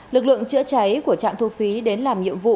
lực lượng chữa cháy của trạm thu phí đến làm nhiệm vụ